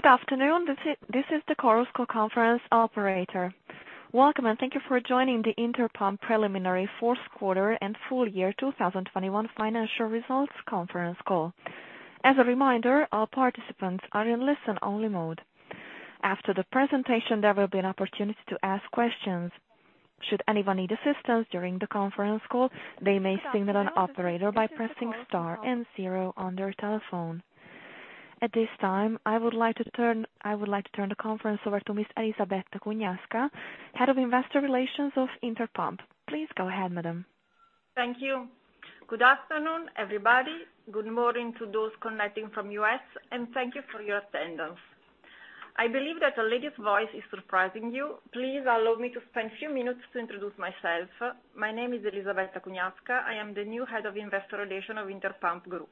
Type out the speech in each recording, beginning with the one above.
Good afternoon. This is the Chorus Call Conference operator. Welcome and thank you for joining the Interpump preliminary fourth quarter and full year 2021 financial results conference call. As a reminder, all participants are in listen-only mode. After the presentation, there will be an opportunity to ask questions. Should anyone need assistance during the conference call, they may signal an operator by pressing star and zero on their telephone. At this time, I would like to turn the conference over to Ms. Elisabetta Cugnasca, Head of Investor Relations of Interpump. Please go ahead, madam. Thank you. Good afternoon, everybody. Good morning to those connecting from U.S., and thank you for your attendance. I believe that a lady's voice is surprising you. Please allow me to spend a few minutes to introduce myself. My name is Elisabetta Cugnasca. I am the new Head of Investor Relations of Interpump Group.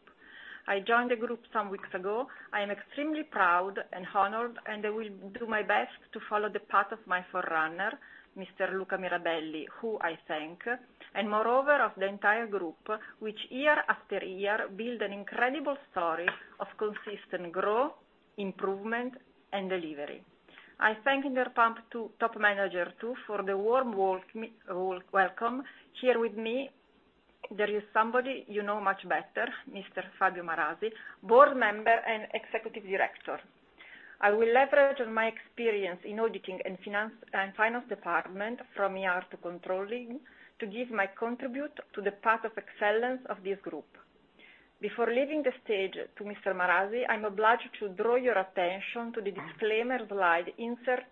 I joined the group some weeks ago. I am extremely proud and honored, and I will do my best to follow the path of my forerunner, Mr. Luca Mirabelli, who I thank, and moreover of the entire group, which year after year build an incredible story of consistent growth, improvement and delivery. I thank Interpump top management too, for the warm welcome. Here with me, there is somebody you know much better, Mr. Fabio Marasi, board member and executive director. I will leverage my experience in auditing and finance department from year to controlling, to give my contribute to the path of excellence of this group. Before leaving the stage to Mr. Marasi, I'm obliged to draw your attention to the disclaimer slide insert.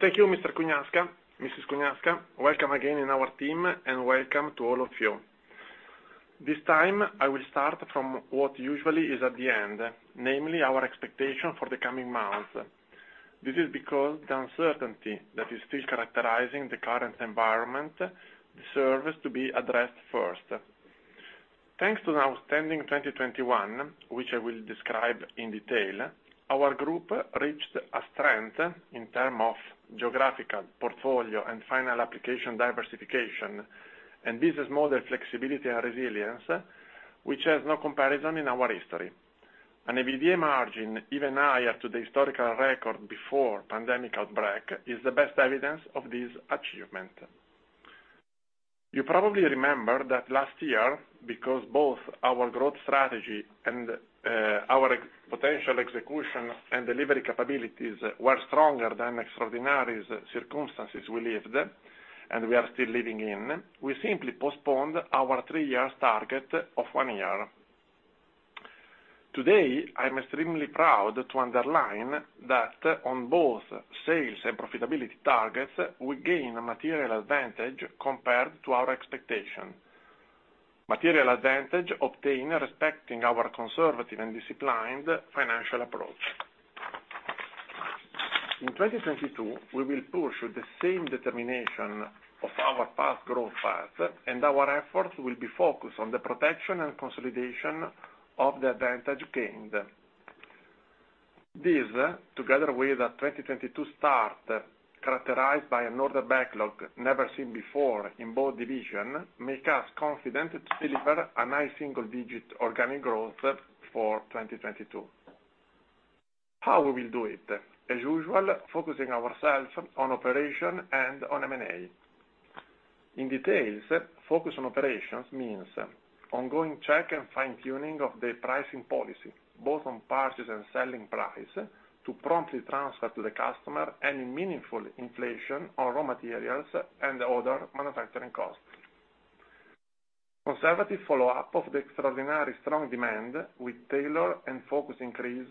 Thank you, Mrs. Cugnasca, welcome again in our team, and welcome to all of you. This time, I will start from what usually is at the end, namely our expectation for the coming months. This is because the uncertainty that is still characterizing the current environment deserves to be addressed first. Thanks to an outstanding 2021, which I will describe in detail, our group reached a strength in terms of geographical, portfolio and final application diversification, and business model flexibility and resilience, which has no comparison in our history. An EBITDA margin even higher than the historical record before pandemic outbreak is the best evidence of this achievement. You probably remember that last year, because both our growth strategy and our potential execution and delivery capabilities were stronger than extraordinary circumstances we lived and we are still living in, we simply postponed our three-year target of one year. Today, I'm extremely proud to underline that on both sales and profitability targets, we gain a material advantage compared to our expectation, material advantage obtained respecting our conservative and disciplined financial approach. In 2022, we will push with the same determination of our past growth path, and our efforts will be focused on the protection and consolidation of the advantage gained. This, together with the 2022 start, characterized by an order backlog never seen before in both divisions, make us confident to deliver a high single digit organic growth for 2022. How we will do it? As usual, focusing ourselves on operation and on M&A. In details, focus on operations means ongoing check and fine tuning of the pricing policy, both on purchase and selling price, to promptly transfer to the customer any meaningful inflation on raw materials and other manufacturing costs. Conservative follow up of the extraordinarily strong demand with tailored and focused increase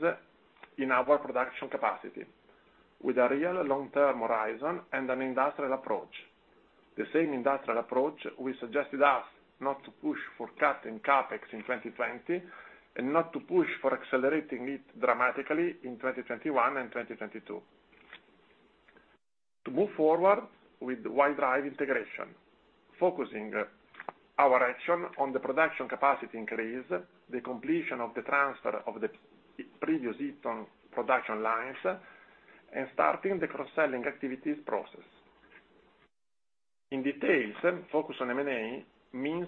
in our production capacity with a real long-term horizon and an industrial approach. The same industrial approach which suggested us not to push for cutting CapEx in 2020, and not to push for accelerating it dramatically in 2021 and 2022. To move forward with White Drive integration, focusing our action on the production capacity increase, the completion of the transfer of the previous Eaton production lines, and starting the cross-selling activities process. In detail, focus on M&A means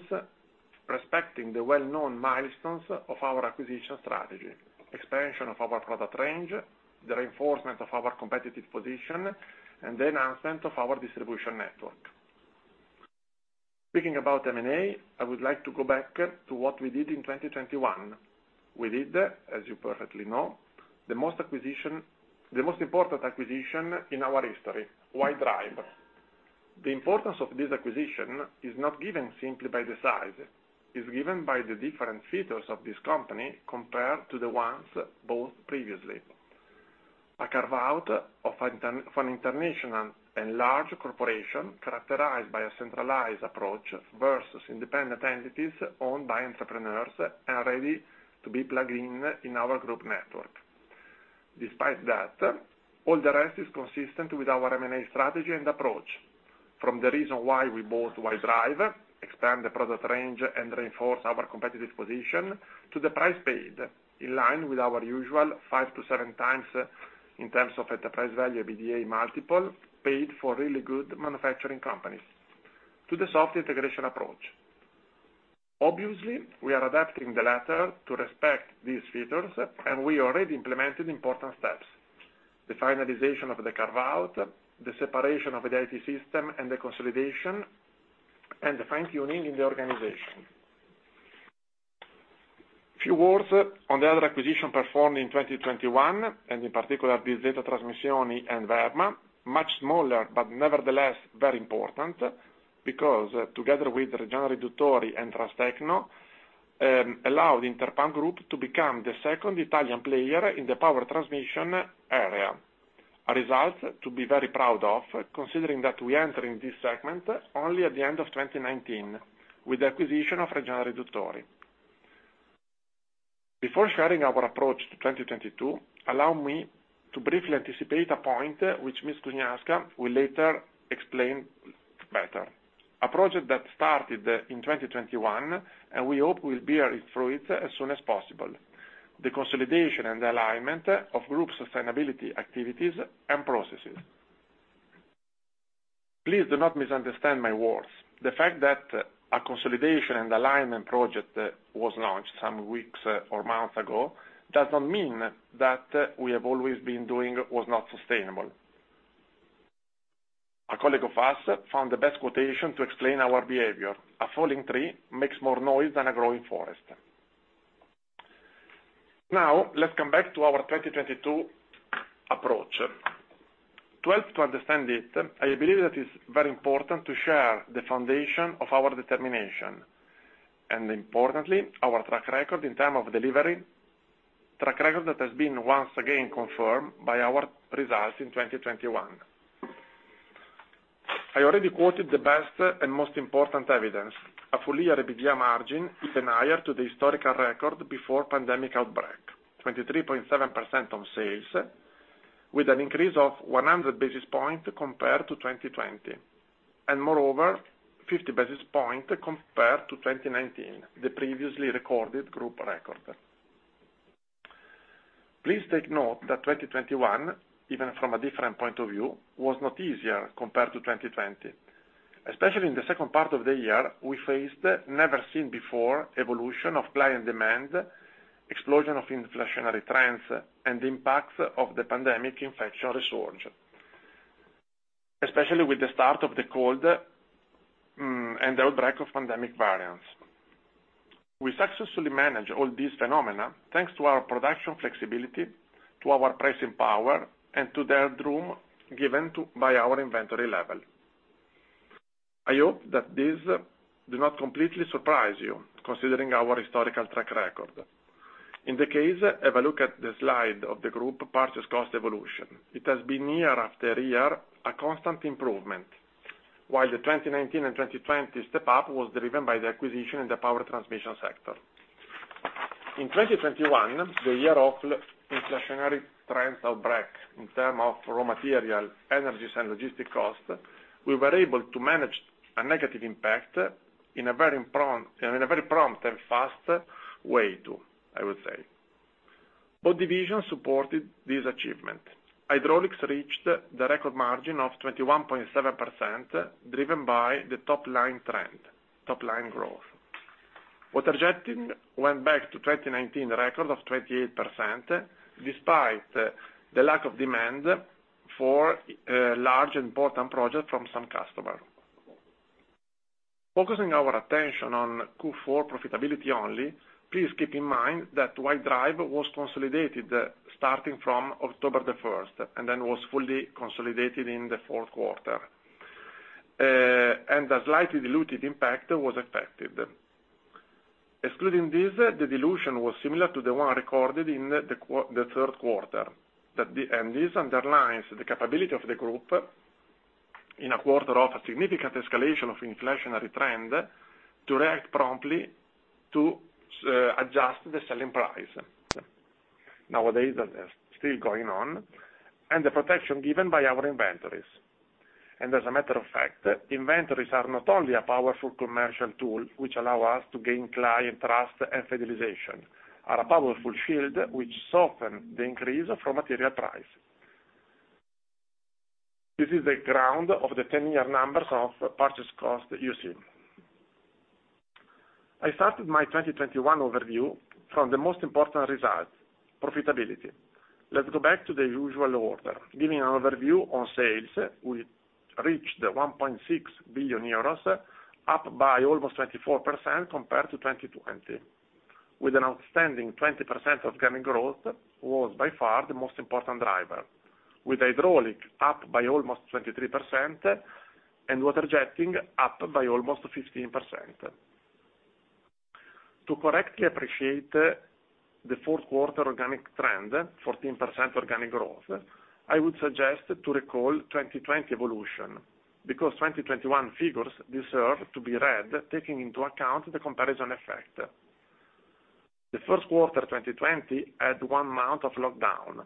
respecting the well-known milestones of our acquisition strategy, expansion of our product range, the reinforcement of our competitive position, and the enhancement of our distribution network. Speaking about M&A, I would like to go back to what we did in 2021. We did, as you perfectly know, the most important acquisition in our history, White Drive. The importance of this acquisition is not given simply by the size. It's given by the different features of this company compared to the ones bought previously. A carve-out of an international and large corporation characterized by a centralized approach versus independent entities owned by entrepreneurs and ready to be plugged in our group network. Despite that, all the rest is consistent with our M&A strategy and approach. From the reason why we bought White Drive, expand the product range and reinforce our competitive position, to the price paid in line with our usual 5x-7x EBITDA. In terms of enterprise value, EBITDA multiple paid for really good manufacturing companies to the soft integration approach. Obviously, we are adapting the latter to respect these features, and we already implemented important steps. The finalization of the carve-out, the separation of the IT system, and the consolidation, and the fine-tuning in the organization. Few words on the other acquisition performed in 2021, and in particular, the DZ Trasmissioni and Berma, much smaller, but nevertheless very important because together with the Reggiana Riduttori and Transtecno, allowed Interpump Group to become the second Italian player in the power transmission area. A result to be very proud of, considering that we enter in this segment only at the end of 2019 with the acquisition of Reggiana Riduttori. Before sharing our approach to 2022, allow me to briefly anticipate a point which Ms. Cugnasca will later explain better, a project that started in 2021, and we hope will bear its fruits as soon as possible, the consolidation and alignment of group sustainability activities and processes. Please do not misunderstand my words. The fact that a consolidation and alignment project was launched some weeks or months ago does not mean that what we have always been doing was not sustainable. A colleague of us found the best quotation to explain our behavior: "A falling tree makes more noise than a growing forest." Now, let's come back to our 2022 approach. To help to understand it, I believe that it's very important to share the foundation of our determination, and importantly, our track record in time of delivery. Track record that has been once again confirmed by our results in 2021. I already quoted the best and most important evidence, a full year EBITDA margin even higher to the historical record before pandemic outbreak, 23.7% on sales, with an increase of 100 basis points compared to 2020, and moreover, 50 basis points compared to 2019, the previously recorded group record. Please take note that 2021, even from a different point of view, was not easier compared to 2020. Especially in the second part of the year, we faced never seen before evolution of client demand, explosion of inflationary trends, and the impacts of the pandemic infection resurgence, especially with the start of the cold, and the outbreak of pandemic variants. We successfully manage all these phenomena, thanks to our production flexibility, to our pricing power, and to the headroom given to by our inventory level. I hope that this do not completely surprise you, considering our historical track record. In the case, have a look at the slide of the Group purchase cost evolution. It has been year after year, a constant improvement. While the 2019 and 2020 step up was driven by the acquisition in the power transmission sector. In 2021, the year of inflationary trends outbreak in terms of raw material, energies, and logistic cost, we were able to manage a negative impact in a very prompt and fast way too, I would say. Both divisions supported this achievement. Hydraulics reached the record margin of 21.7%, driven by the top line trend, top line growth. Water-Jetting went back to 2019 record of 28%, despite the lack of demand for large important projects from some customer. Focusing our attention on Q4 profitability only, please keep in mind that White Drive was consolidated starting from October 1, and then was fully consolidated in the fourth quarter. A slightly diluted impact was affected. Excluding this, the dilution was similar to the one recorded in the Q3. This underlines the capability of the group in a quarter of a significant escalation of inflationary trend to react promptly to adjust the selling price. Nowadays, that is still going on, and the protection given by our inventories. As a matter of fact, inventories are not only a powerful commercial tool which allow us to gain client trust and fidelization, are a powerful shield which soften the increase from material price. This is the trend of the 10-year numbers of purchase cost you see. I started my 2021 overview from the most important result, profitability. Let's go back to the usual order. Giving an overview on sales, we reached 1.6 billion euros, up by almost 24% compared to 2020. With an outstanding 20% organic growth was by far the most important driver, with Hydraulics up by almost 23% and Water-Jetting up by almost 15%. To correctly appreciate the Q4 organic trend, 14% organic growth, I would suggest to recall 2020 evolution, because 2021 figures deserve to be read, taking into account the comparison effect. The first quarter 2020 had one month of lockdown,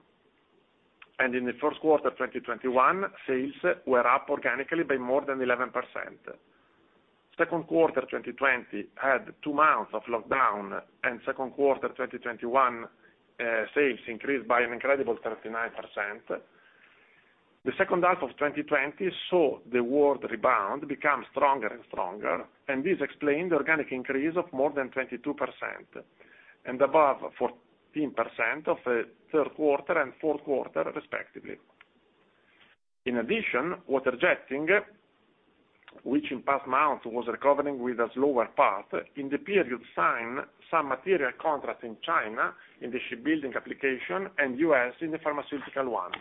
and in the first quarter 2021, sales were up organically by more than 11%. Second quarter 2020 had two months of lockdown and second quarter 2021, sales increased by an incredible 39%. The second half of 2020 saw the world rebound become stronger and stronger, and this explained organic increase of more than 22%, and above 14% of, third quarter and fourth quarter respectively. In addition, water jetting, which in past months was recovering with a slower path, in the period signed some material contracts in China in the ship building application and U.S. in the pharmaceutical ones.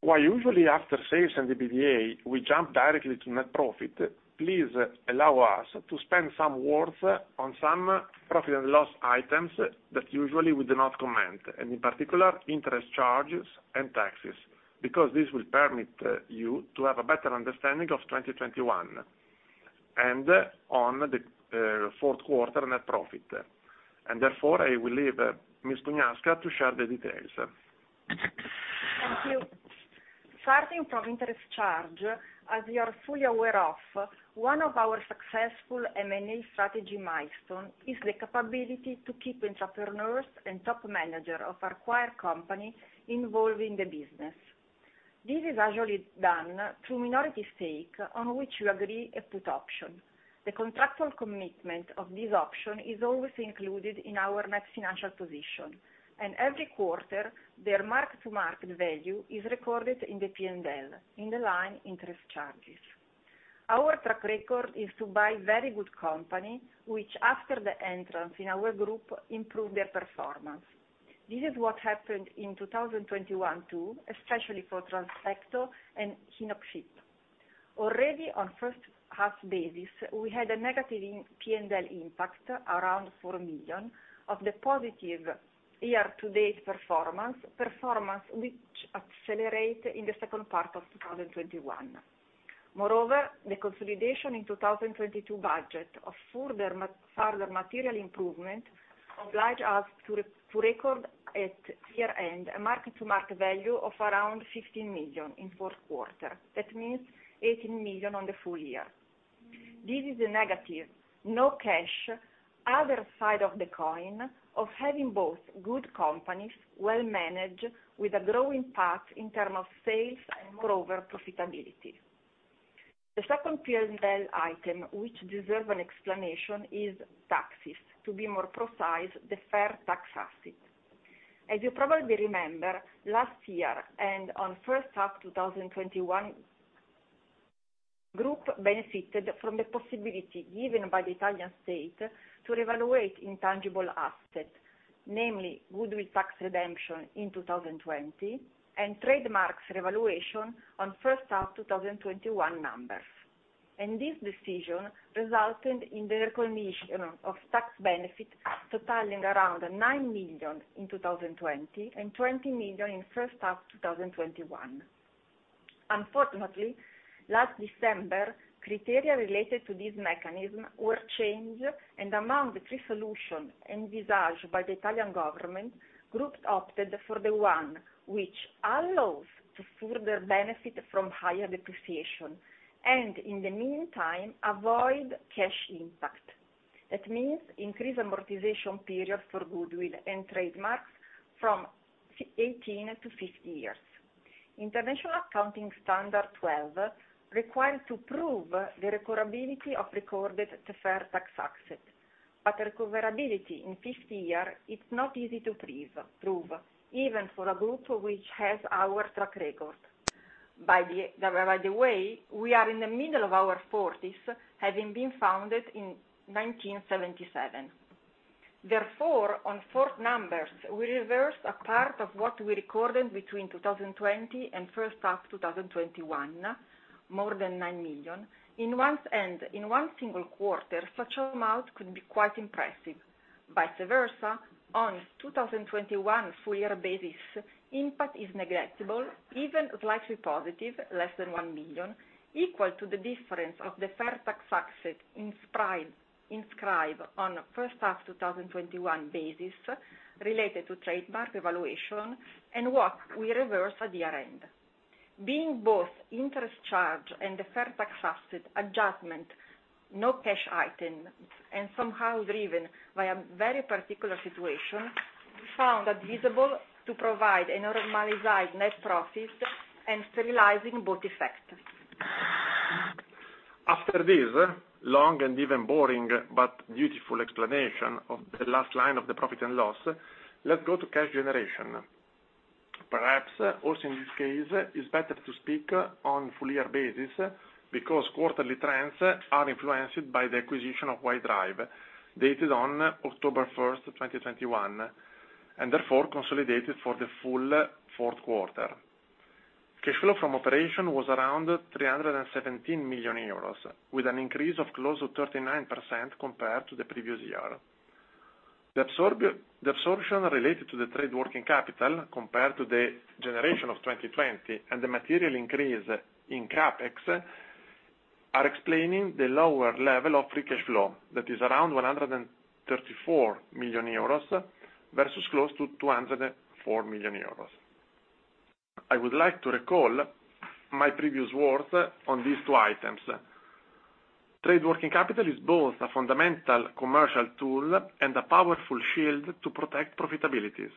While usually after sales and the EBITDA, we jump directly to net profit, please allow us to spend some words on some profit and loss items that usually we do not comment, and in particular, interest charges and taxes, because this will permit you to have a better understanding of 2021 and on the fourth quarter net profit. Therefore, I will leave Ms. Cugnasca to share the details. Thank you. Starting from interest charge, as you are fully aware of, one of our successful M&A strategy milestone is the capability to keep entrepreneurs and top manager of acquired company involved in the business. This is usually done through minority stake on which you agree a put option. The contractual commitment of this option is always included in our net financial position, and every quarter, their mark-to-market value is recorded in the P&L, in the line interest charges. Our track record is to buy very good company, which after the entrance in our group, improve their performance. This is what happened in 2021 too, especially for Transtecno and Inoxpa. Already on first half basis, we had a negative in P&L impact around 4 million of the positive year-to-date performance which accelerate in the second part of 2021. Moreover, the consolidation in 2022 budget of further material improvement oblige us to record at year-end a mark-to-market value of around 15 million in fourth quarter. That means 18 million on the full year. This is a negative, no cash, other side of the coin of having both good companies, well managed, with a growing path in terms of sales and moreover, profitability. The second P&L item which deserve an explanation is taxes, to be more precise, deferred tax asset. As you probably remember, last year and on first half 2021, group benefited from the possibility given by the Italian state to revalue intangible assets, namely goodwill tax amortization in 2020 and trademarks revaluation on first half 2021 numbers. This decision resulted in the recognition of tax benefit totaling around 9 million in 2020 and 20 million in first half 2021. Unfortunately, last December, criteria related to this mechanism were changed, and among the three solutions envisaged by the Italian government, Group opted for the one which allows to further benefit from higher depreciation, and in the meantime, avoid cash impact. That means increase amortization period for goodwill and trademarks from 18 to 50 years. International Accounting Standard 12 requires to prove the recoverability of recorded deferred tax asset, but recoverability in 50 years is not easy to prove, even for a group which has our track record. By the way, we are in the middle of our forties, having been founded in 1977. Therefore, in fourth quarter numbers, we reversed a part of what we recorded between 2020 and first half 2021, more than 9 million. On one hand, in one single quarter, such amount could be quite impressive. Vice versa, on 2021 full year basis, impact is negligible, even slightly positive, less than 1 million, equal to the difference of deferred tax asset inscribed on first half 2021 basis related to trademark evaluation and what we reverse at the year-end. Being both interest charge and deferred tax asset adjustment, no cash item, and somehow driven by a very particular situation, we found it advisable to provide a normalized net profit and sterilizing both effects. After this long and even boring but beautiful explanation of the last line of the profit and loss, let's go to cash generation. Perhaps also in this case, it's better to speak on full-year basis because quarterly trends are influenced by the acquisition of White Drive, dated on October first, 2021, and therefore consolidated for the full fourth quarter. Cash flow from operations was around 317 million euros, with an increase of close to 39% compared to the previous year. The absorption related to the trade working capital compared to the generation of 2020 and the material increase in CapEx are explaining the lower level of free cash flow that is around 134 million euros versus close to 204 million euros. I would like to recall my previous words on these two items. Trade working capital is both a fundamental commercial tool and a powerful shield to protect profitabilities.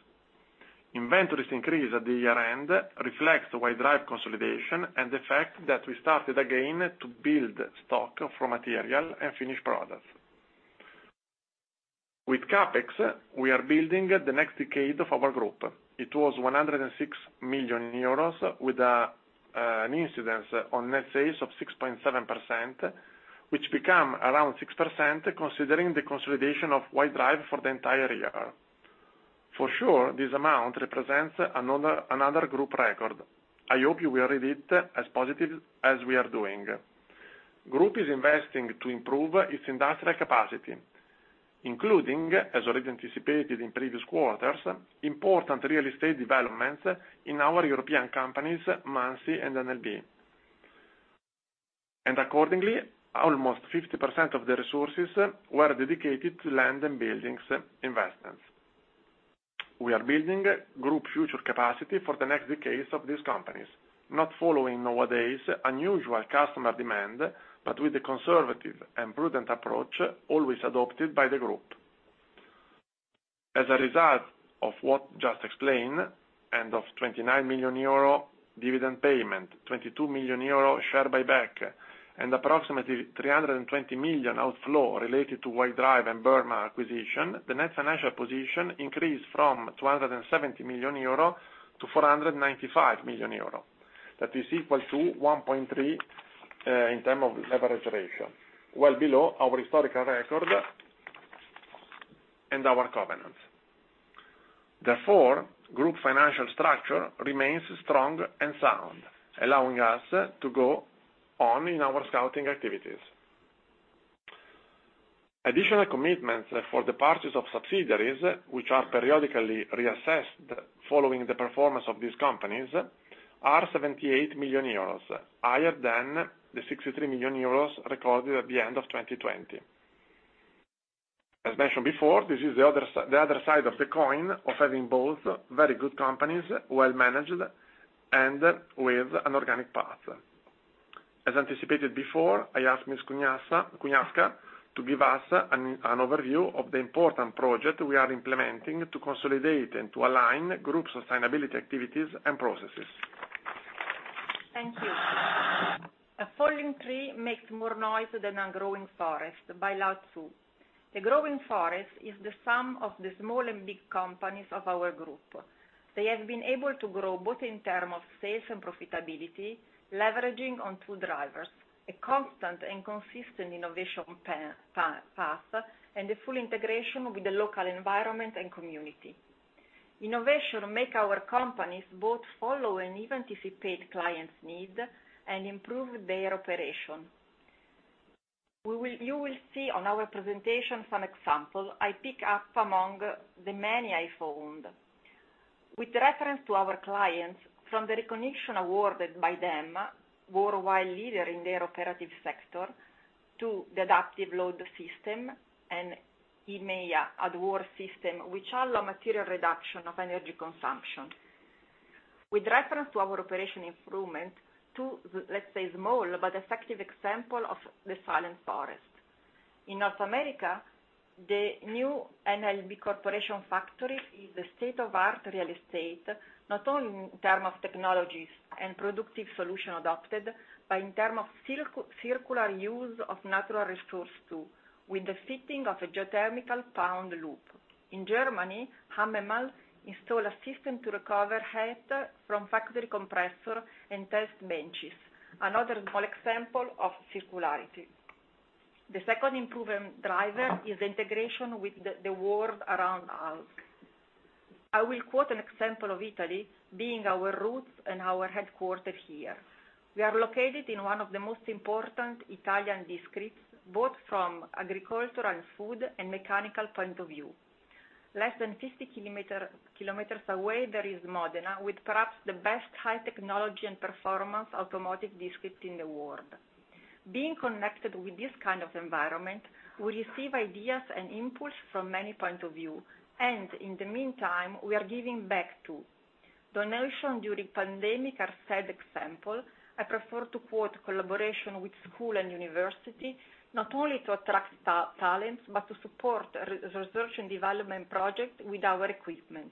Inventories increase at the year-end, reflects the White Drive consolidation and the fact that we started again to build stock for material and finished products. With CapEx, we are building the next decade of our group. It was 106 million euros with a, an incidence on net sales of 6.7%, which become around 6% considering the consolidation of White Drive for the entire year. For sure, this amount represents another group record. I hope you will read it as positive as we are doing. Group is investing to improve its industrial capacity, including, as already anticipated in previous quarters, important real estate developments in our European companies, Muncie and NLB. Accordingly, almost 50% of the resources were dedicated to land and buildings investments. We are building group future capacity for the next decades of these companies, not following nowadays unusual customer demand, but with the conservative and prudent approach always adopted by the group. As a result of what just explained, and of 29 million euro dividend payment, 22 million euro share buyback, and approximately 320 million outflow related to White Drive and Berma acquisition, the net financial position increased from 270 million-495 million euro. That is equal to 1.3 in terms of leverage ratio, well below our historical record and our covenants. Therefore, group financial structure remains strong and sound, allowing us to go on in our scouting activities. Additional commitments for the purchase of subsidiaries, which are periodically reassessed following the performance of these companies, are 78 million euros, higher than the 63 million euros recorded at the end of 2020. As mentioned before, this is the other side of the coin of having both very good companies, well managed and with an organic path. As anticipated before, I ask Ms. Cugnasca to give us an overview of the important project we are implementing to consolidate and to align Group's sustainability activities and processes. Thank you. "A falling tree makes more noise than a growing forest" by Lao Tzu. A growing forest is the sum of the small and big companies of our group. They have been able to grow both in term of sales and profitability, leveraging on two drivers, a constant and consistent innovation path, and a full integration with the local environment and community. Innovation make our companies both follow and even anticipate clients' need and improve their operation. You will see on our presentation some example I pick up among the many I found. With reference to our clients, from the recognition awarded by them, worldwide leader in their operative sector, to the adaptive load system and EMEA award system, which allow material reduction of energy consumption. With reference to our operation improvement, two, let's say, small but effective example of the silent forest. In North America, the new NLB Corporation factory is a state-of-the-art real estate, not only in terms of technologies and productive solutions adopted, but in terms of circular use of natural resources too, with the fitting of a geothermal ground loop. In Germany, Hammelmann installs a system to recover heat from factory compressors and test benches, another small example of circularity. The second improvement driver is integration with the world around us. I will quote an example of Italy, being our roots and our headquarters here. We are located in one of the most important Italian districts, both from agricultural, food and mechanical points of view. Less than 50 km away, there is Modena, with perhaps the best high technology and performance automotive district in the world. Being connected with this kind of environment, we receive ideas and inputs from many points of view. In the meantime, we are giving back too. Donation during pandemic are sad example. I prefer to quote collaboration with school and university, not only to attract talents, but to support research and development project with our equipment.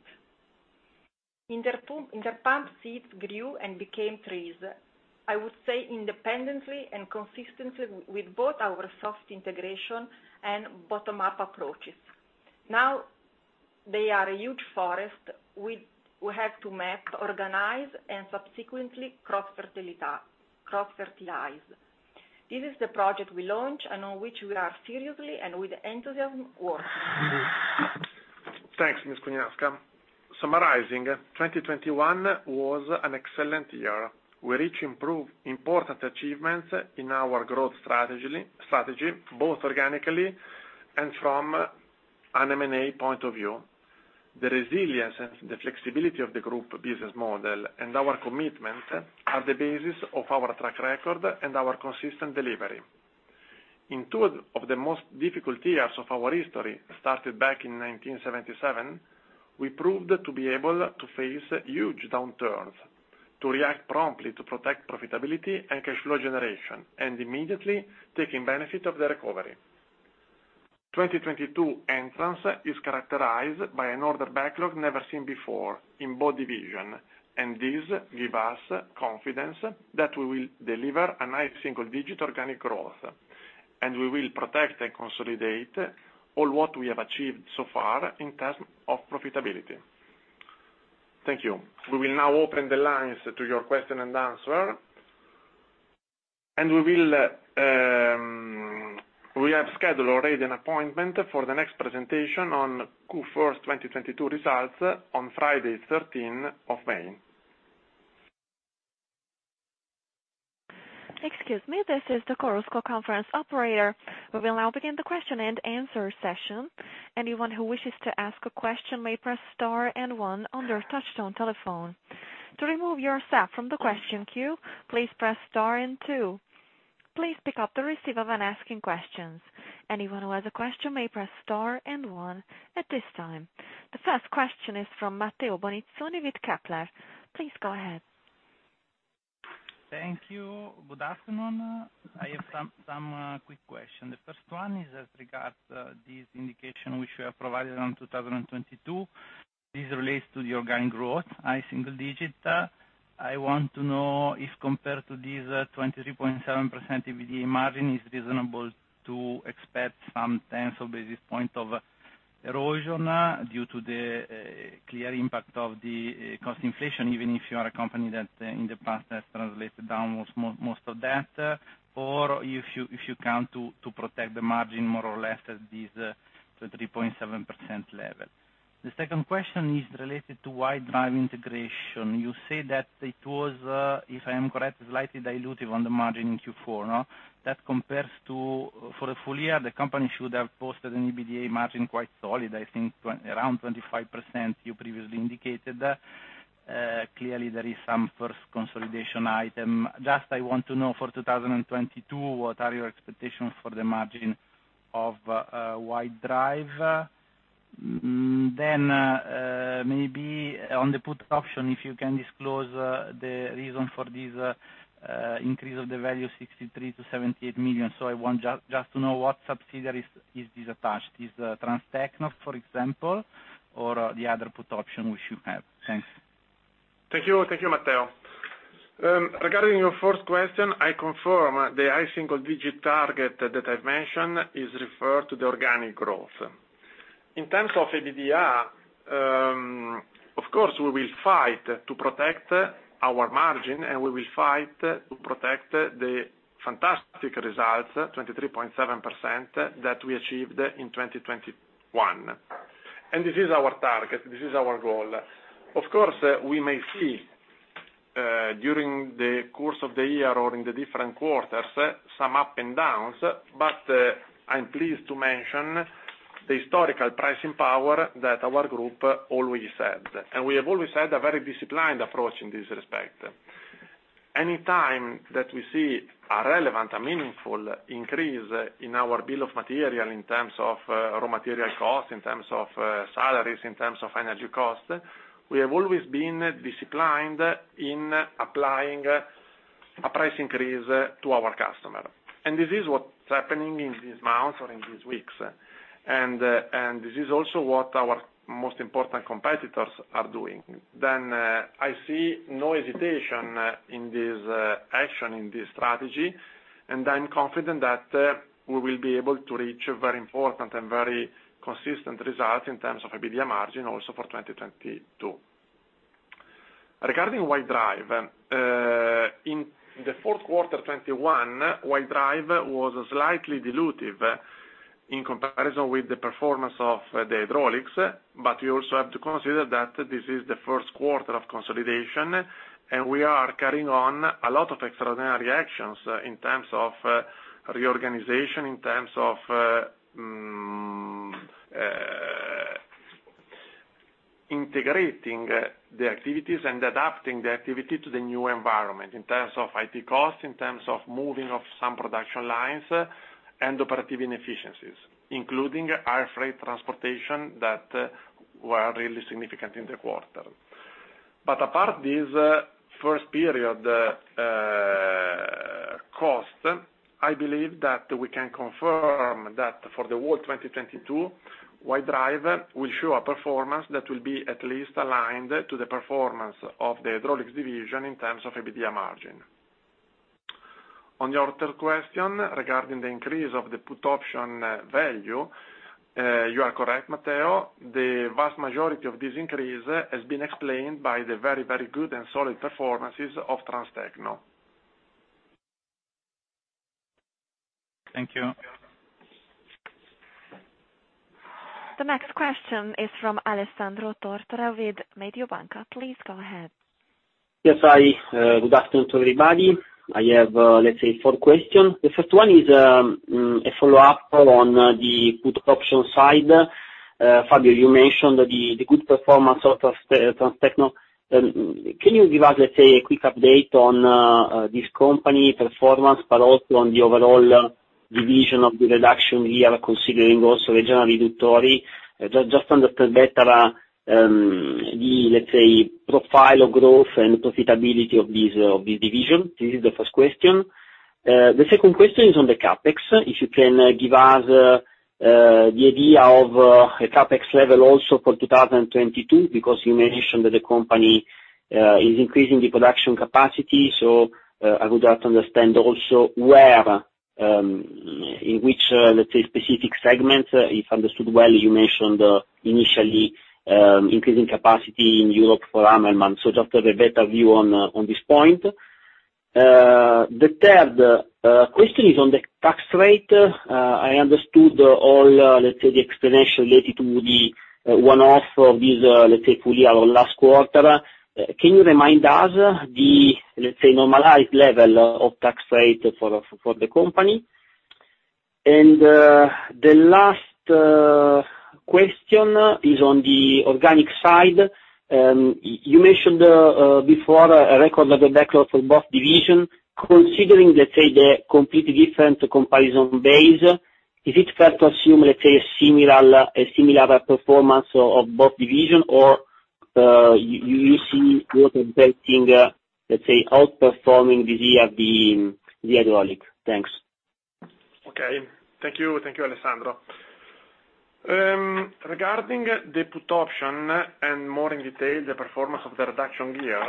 In their pump, seeds grew and became trees, I would say independently and consistently with both our soft integration and bottom-up approaches. Now they are a huge forest we have to map, organize, and subsequently cross fertilize. This is the project we launch and on which we are seriously and with enthusiasm working. Thanks, Ms. Cugnasca. Summarizing, 2021 was an excellent year. We reached important achievements in our growth strategy, both organically and from an M&A point of view. The resilience and the flexibility of the group business model and our commitment are the basis of our track record and our consistent delivery. In two of the most difficult years of our history, started back in 1977, we proved to be able to face huge downturns, to react promptly to protect profitability and cash flow generation, and immediately taking benefit of the recovery. Entering 2022 is characterized by an order backlog never seen before in both divisions, and this give us confidence that we will deliver a high single digit organic growth, and we will protect and consolidate all what we have achieved so far in terms of profitability. Thank you. We will now open the lines to your question and answer. We have scheduled already an appointment for the next presentation on Q1 2022 results on Friday, 13th of May. Excuse me, this is the Chorus Call conference operator. We will now begin the question-and-answer session. Anyone who wishes to ask a question may press star and one on their touchtone telephone. To remove yourself from the question queue, please press star and two. Please pick up the receiver when asking questions. Anyone who has a question may press star and one at this time. The first question is from Matteo Bonizzoni with Kepler. Please go ahead. Thank you. Good afternoon. I have quick questions. The first one is with regard to this indication which you have provided on 2022. This relates to the organic growth, high single digit. I want to know if compared to this 23.7% EBITDA margin, is reasonable to expect some tens of basis points of erosion due to the clear impact of the cost inflation, even if you are a company that in the past has translated down most of that, or if you count to protect the margin more or less at this 23.7% level. The second question is related to White Drive integration. You say that it was, if I am correct, slightly dilutive on the margin in Q4. That compares to, for the full year, the company should have posted an EBITDA margin quite solid, I think around 25% you previously indicated. Clearly there is some first consolidation item. Just I want to know for 2022, what are your expectations for the margin of White Drive. Maybe on the put option, if you can disclose, the reason for this increase of the value 63 million-78 million. I want just to know what subsidiaries is this attached. Is it Transtecno, for example, or the other put option which you have? Thanks. Thank you. Thank you, Matteo. Regarding your first question, I confirm the high single digit target that I've mentioned is referred to the organic growth. In terms of EBITDA, of course, we will fight to protect our margin, and we will fight to protect the fantastic results, 23.7%, that we achieved in 2021. This is our target, this is our goal. Of course, we may see, during the course of the year or in the different quarters, some up and downs, but, I'm pleased to mention the historical pricing power that our group always had. We have always had a very disciplined approach in this respect. Any time that we see a relevant, a meaningful increase in our bill of material in terms of, raw material costs, in terms of, salaries, in terms of energy costs, we have always been disciplined in applying a price increase to our customer. This is what's happening in these months or in these weeks. This is also what our most important competitors are doing. I see no hesitation in this action, in this strategy, and I'm confident that, we will be able to reach a very important and very consistent result in terms of EBITDA margin also for 2022. Regarding White Drive, in the fourth quarter 2021, White Drive was slightly dilutive in comparison with the performance of the Hydraulics, but you also have to consider that this is the first quarter of consolidation, and we are carrying on a lot of extraordinary actions in terms of reorganization, in terms of integrating the activities and adapting the activity to the new environment in terms of IT costs, in terms of moving of some production lines and operative inefficiencies, including air freight transportation that were really significant in the quarter. Apart from this first period costs, I believe that we can confirm that for the whole 2022, White Drive will show a performance that will be at least aligned to the performance of the Hydraulics division in terms of EBITDA margin. On your third question, regarding the increase of the put option value, you are correct, Matteo. The vast majority of this increase has been explained by the very, very good and solid performances of Transtecno. Thank you. The next question is from Alessandro Tortora with Mediobanca. Please go ahead. Good afternoon to everybody. I have, let's say, four questions. The first one is a follow-up on the put option side. Fabio, you mentioned the good performance of Transtecno. Can you give us, let's say, a quick update on this company performance, but also on the overall division of the reduction here, considering also Reggiana Riduttori. Just to understand better the let's say profile or growth and profitability of this division. This is the first question. The second question is on the CapEx. If you can give us the idea of a CapEx level also for 2022, because you mentioned that the company is increasing the production capacity. I would like to understand also where, in which, let's say specific segment, if understood well, you mentioned initially, increasing capacity in Europe for Hammelmann. Just to have a better view on this point. The third question is on the tax rate. I understood all, let's say the explanation related to the one-off of this, let's say full year or last quarter. Can you remind us the, let's say, normalized level of tax rate for the company? The last question is on the organic side. You mentioned before a record level backlog for both divisions. Considering, let's say, the completely different comparison base, is it fair to assume, let's say, a similar performance of both divisions? You see Water-Jetting, let's say, outperforming this year the Hydraulics? Thanks. Thank you, Alessandro. Regarding the put option and more in detail, the performance of the reduction gear,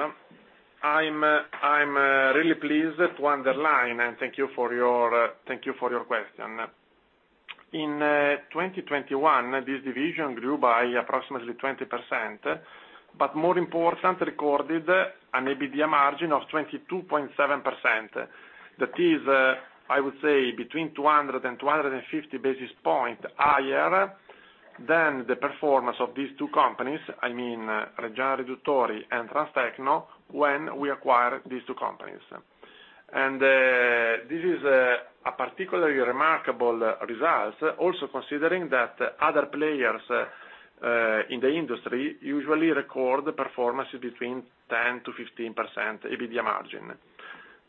I'm really pleased to underline, and thank you for your question. In 2021, this division grew by approximately 20%, but more important, recorded an EBITDA margin of 22.7%. That is, I would say between 200 and 250 basis points higher than the performance of these two companies, I mean, Reggiana Riduttori and Transtecno, when we acquired these two companies. This is a particularly remarkable results, also considering that other players in the industry usually record performance between 10%-15% EBITDA margin.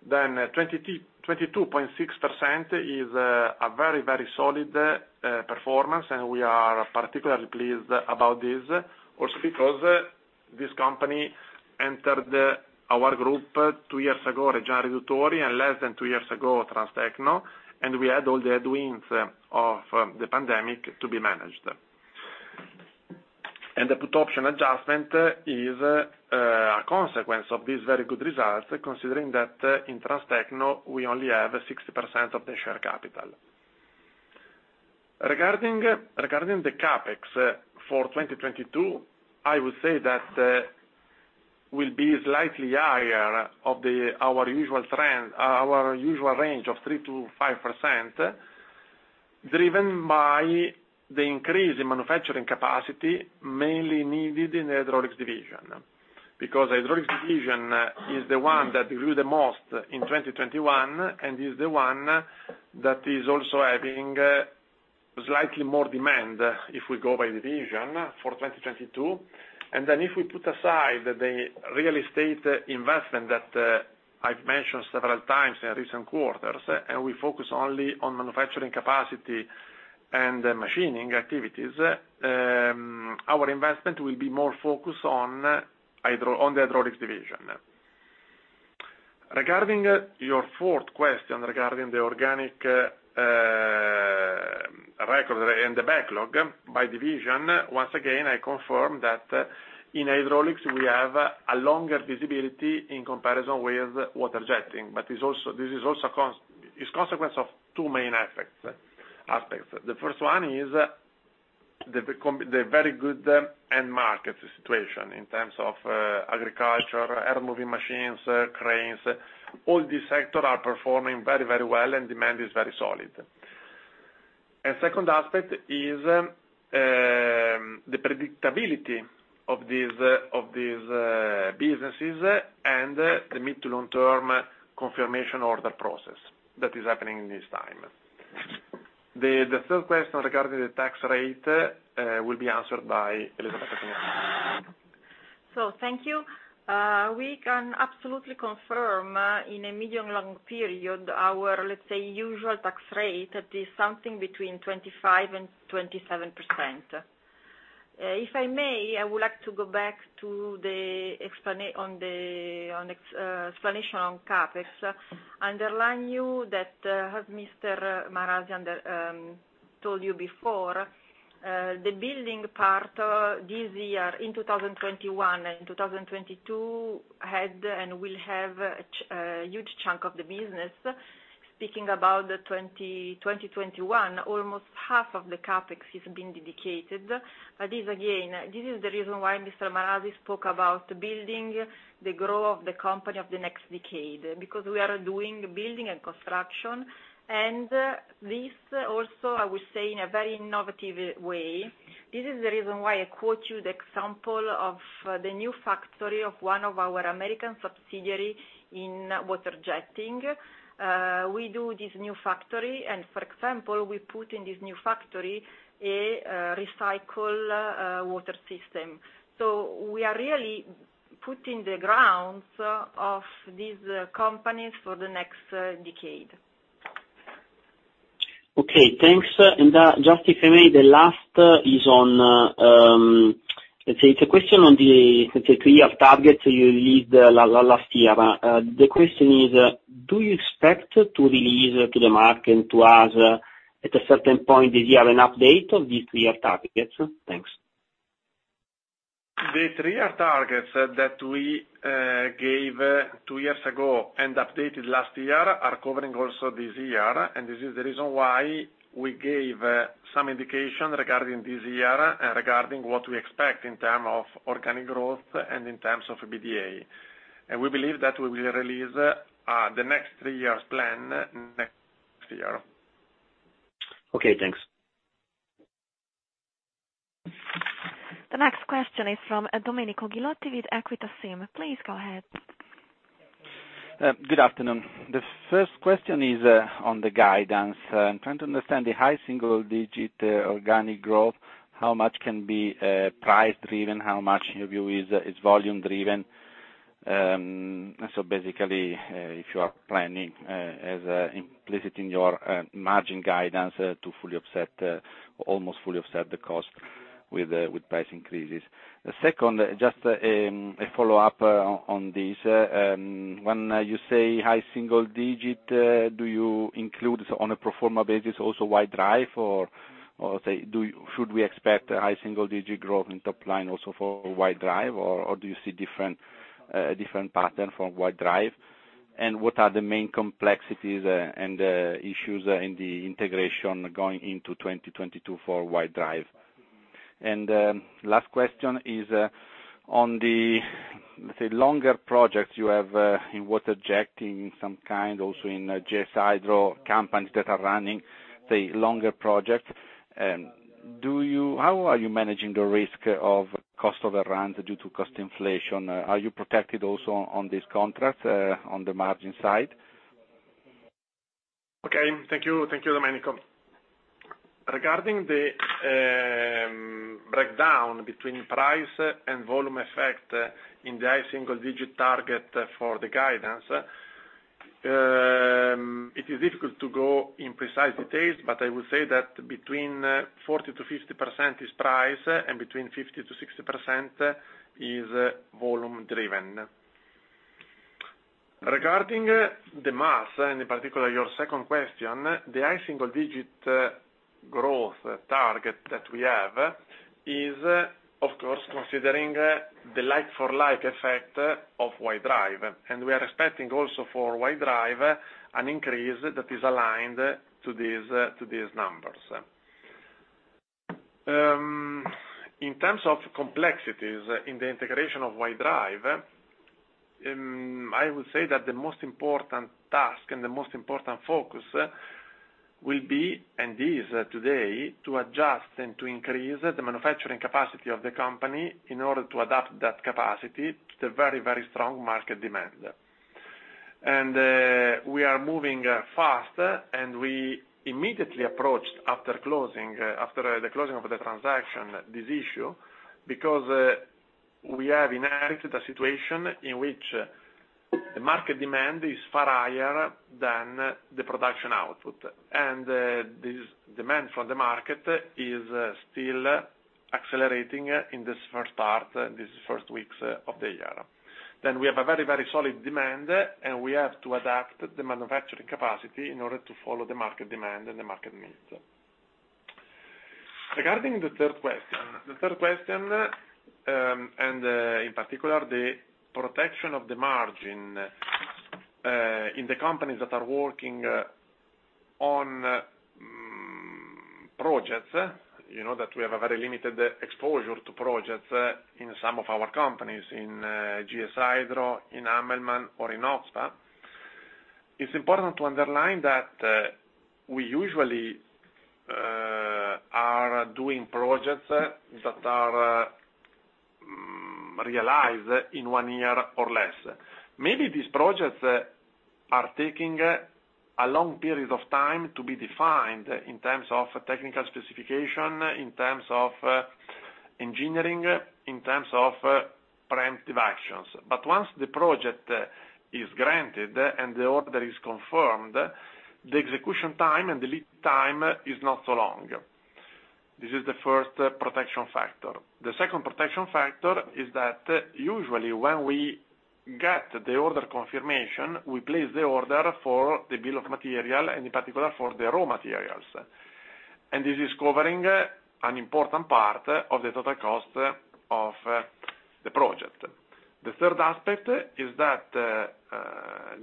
22.6% is a very, very solid performance, and we are particularly pleased about this, also because this company entered our group two years ago, Reggiana Riduttori, and less than two years ago, Transtecno, and we had all the headwinds of the pandemic to be managed. The put option adjustment is a consequence of these very good results, considering that in Transtecno, we only have 60% of the share capital. Regarding the CapEx for 2022, I would say that will be slightly higher than our usual trend, our usual range of 3%-5%, driven by the increase in manufacturing capacity mainly needed in the Hydraulics Division. Because Hydraulics division is the one that grew the most in 2021, and is the one that is also having slightly more demand, if we go by division for 2022. Then if we put aside the real estate investment that I've mentioned several times in recent quarters, and we focus only on manufacturing capacity and the machining activities, our investment will be more focused on the Hydraulics division. Regarding your fourth question regarding the organic order and the backlog by division, once again, I confirm that in Hydraulics we have a longer visibility in comparison with Water-Jetting. But this is also a consequence of two main aspects. The first one is the very good end market situation in terms of agriculture, air moving machines, cranes. All these sectors are performing very, very well and demand is very solid. Second aspect is the predictability of these businesses and the mid- to long-term confirmation order process that is happening in this time. The third question regarding the tax rate will be answered by Elisabetta Cugnasca. Thank you. We can absolutely confirm in a medium long period our, let's say, usual tax rate is something between 25%-27%. If I may, I would like to go back to the explanation on CapEx. Underline you that, as Mr. Marasi told you before, the building part this year in 2021 and 2022 had and will have a huge chunk of the business. Speaking about 2021, almost half of the CapEx has been dedicated. This, again, this is the reason why Mr. Marasi spoke about building the growth of the company of the next decade, because we are doing building and construction. This also, I would say, in a very innovative way. This is the reason why I quote you the example of the new factory of one of our American subsidiary in water jetting. We do this new factory and for example, we put in this new factory a recycle water system. We are really putting the grounds of these companies for the next decade. Okay, thanks. Just if I may, the last is on, let's say it's a question on the, let's say, three-year target you released last year. The question is, do you expect to release to the market and to us at a certain point this year an update of these three-year targets? Thanks. The three-year targets that we gave two years ago and updated last year are covering also this year, and this is the reason why we gave some indication regarding this year and regarding what we expect in terms of organic growth and in terms of EBITDA. We believe that we will release the next three years plan next year. Okay, thanks. The next question is from Domenico Ghilotti with Equita SIM. Please go ahead. Good afternoon. The first question is on the guidance. I'm trying to understand the high single-digit organic growth, how much can be price driven, how much of it is volume driven. Basically, if you are planning, as implicit in your margin guidance to fully offset, almost fully offset the cost with price increases. The second, just a follow-up on this. When you say high single digit, do you include this on a pro forma basis also White Drive or should we expect a high single digit growth in top line also for White Drive, or do you see a different pattern from White Drive? And what are the main complexities and issues in the integration going into 2022 for White Drive? Last question is on the, let's say, longer projects you have in Water-Jetting in some kind, also in acquired companies that are running, say, longer projects. How are you managing the risk of cost overruns due to cost inflation? Are you protected also on this contract on the margin side? Okay. Thank you. Thank you, Domenico. Regarding the breakdown between price and volume effect in the high single digit target for the guidance, it is difficult to go in precise details, but I will say that between 40%-50% is price and between 50%-60% is volume driven. Regarding the M&A, and in particular, your second question, the high single digit growth target that we have is, of course, considering the like-for-like effect of White Drive. We are expecting also for White Drive an increase that is aligned to these numbers. In terms of complexities in the integration of White Drive, I would say that the most important task and the most important focus will be, and is today, to adjust and to increase the manufacturing capacity of the company in order to adapt that capacity to the very, very strong market demand. We are moving fast, and we immediately approached after closing, after the closing of the transaction, this issue, because we have inherited a situation in which the market demand is far higher than the production output. This demand from the market is still accelerating in this first part, in these first weeks of the year. We have a very, very solid demand, and we have to adapt the manufacturing capacity in order to follow the market demand and the market needs. Regarding the third question, in particular, the protection of the margin, in the companies that are working on projects, you know that we have a very limited exposure to projects, in some of our companies in GS-Hydro, in Hammelmann or in Inoxpa. It's important to underline that, we usually are doing projects that are realized in one year or less. Maybe these projects are taking a long period of time to be defined in terms of technical specification, in terms of engineering, in terms of preemptive actions. Once the project is granted and the order is confirmed, the execution time and the lead time is not so long. This is the first protection factor. The second protection factor is that usually when we get the order confirmation, we place the order for the bill of material and in particular for the raw materials. This is covering an important part of the total cost of the project. The third aspect is that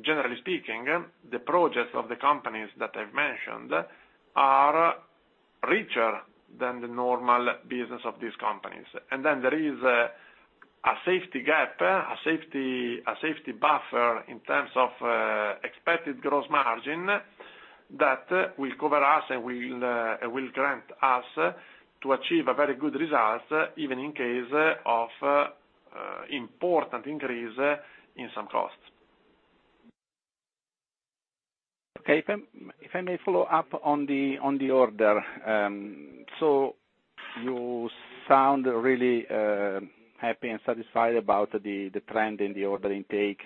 generally speaking, the projects of the companies that I've mentioned are richer than the normal business of these companies. There is a safety gap, a safety buffer in terms of expected gross margin that will cover us and will grant us to achieve a very good results, even in case of important increase in some costs. Okay. If I may follow up on the order. So you sound really happy and satisfied about the trend in the order intake.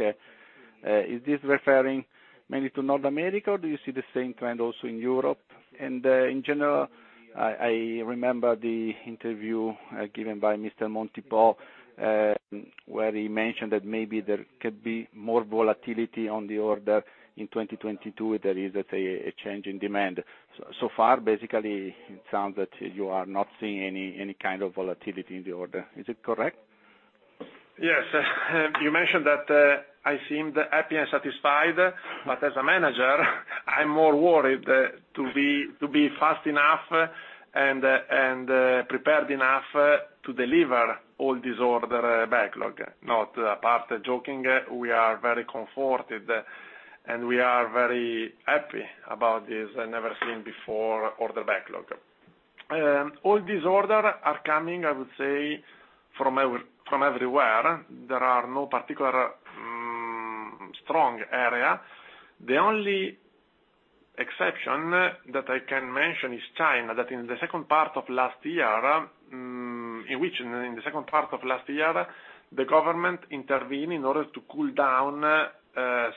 Is this referring mainly to North America, or do you see the same trend also in Europe? In general, I remember the interview given by Mr. Montipò, where he mentioned that maybe there could be more volatility on the order in 2022 if there is, let's say, a change in demand. So far, basically, it sounds that you are not seeing any kind of volatility in the order. Is it correct? Yes. You mentioned that I seemed happy and satisfied, but as a manager, I'm more worried to be fast enough and prepared enough to deliver all this order backlog. Apart from the joking, we are very comforted, and we are very happy about this never-seen-before order backlog. All this orders are coming, I would say, from everywhere. There are no particular strong areas. The only exception that I can mention is China, that in the second part of last year, in which the government intervened in order to cool down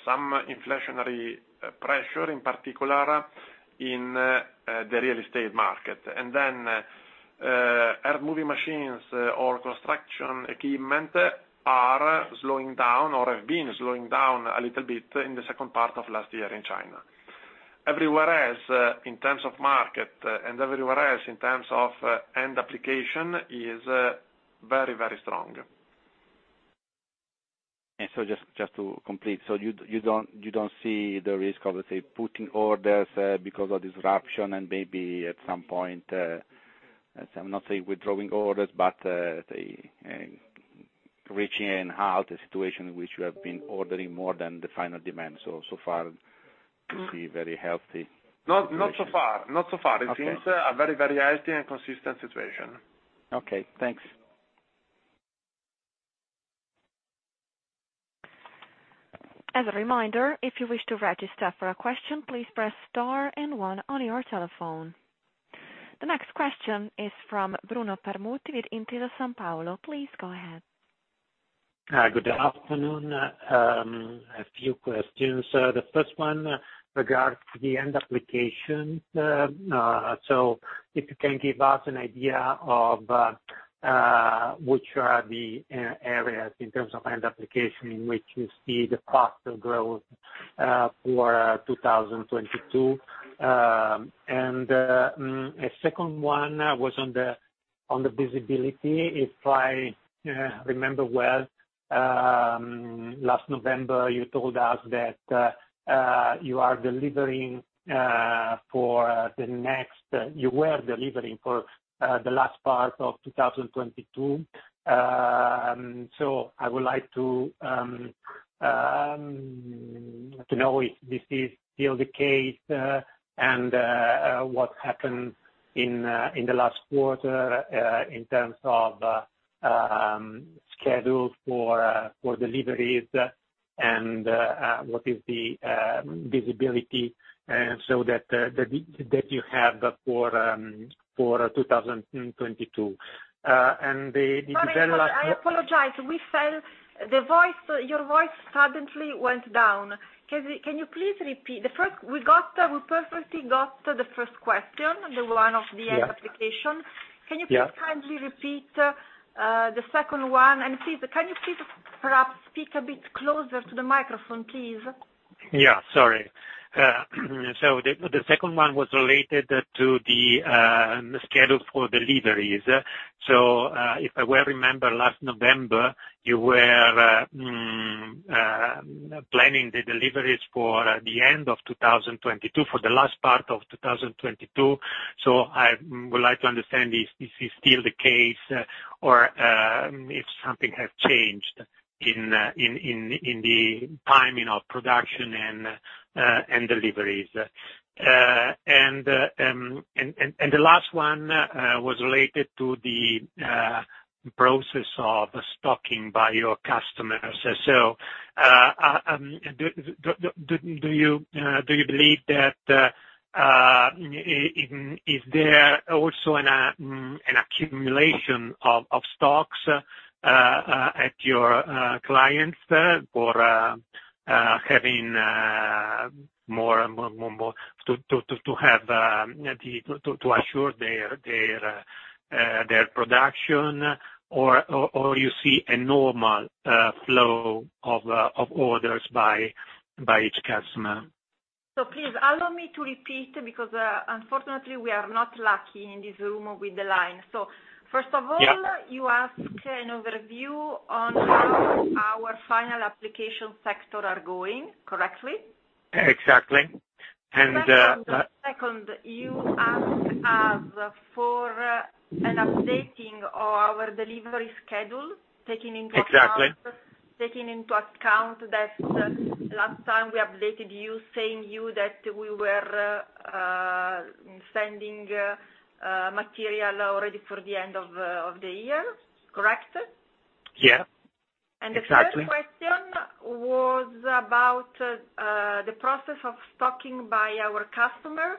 some inflationary pressure, in particular in the real estate market. Earth-moving machines or construction equipment are slowing down or have been slowing down a little bit in the second part of last year in China. Everywhere else in terms of market and end application is very, very strong. Just to complete. You don't see the risk of, let's say, placing orders because of disruption and maybe at some point, let's say I'm not saying withdrawing orders, but, let's say, reaching a situation in which you have been ordering more than the final demand. So far you see very healthy situation. Not so far. Okay. It seems a very, very healthy and consistent situation. Okay, thanks. As a reminder, if you wish to register for a question, please press star and one on your telephone. The next question is from Bruno Permutti with Intesa Sanpaolo. Please go ahead. Hi, good afternoon. A few questions. The first one regards the end application. So if you can give us an idea of which are the areas in terms of end application in which you see the faster growth for 2022. A second one was on the visibility. If I remember well, last November, you told us that you were delivering for the last part of 2022. I would like to know if this is still the case, and what happened in the last quarter in terms of schedules for deliveries and what is the visibility that you have for 2022. Sorry, I apologize. Your voice suddenly went down. Can you please repeat? We perfectly got the first question, the one of the end application. Yeah. Can you please kindly repeat the second one? Please, can you please perhaps speak a bit closer to the microphone, please? Yeah, sorry. The second one was related to the schedule for deliveries. If I well remember last November, you were planning the deliveries for the end of 2022, for the last part of 2022. I would like to understand if this is still the case or if something has changed in the timing of production and deliveries. The last one was related to the process of stocking by your customers. Do you believe that there is also an accumulation of stocks at your clients for having more to assure their production or you see a normal flow of orders by each customer? Please allow me to repeat because, unfortunately we are not lucky in this room with the line. First of al you ask an overview on how our final application sectors are going. Correctly? Exactly. Second, you ask us for an updating of our delivery schedule taking into account that last time we updated you, saying that we were sending material already for the end of the year. Correct? Yeah. Exactly. The third question was about the process of stocking by our customer.